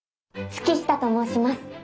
月下と申します。